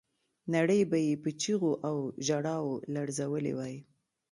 نړۍ به یې په چیغو او ژړاو لړزولې وای.